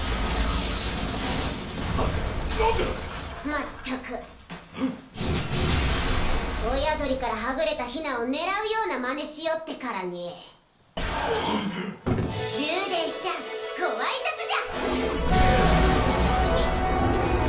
まったく親鳥からはぐれたヒナを狙うようなマネしおってからにルーデンスちゃんご挨拶じゃ！